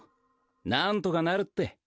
なんとかなるって。